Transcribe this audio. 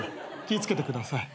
気ぃ付けてください。